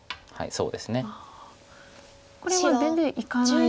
そうですね。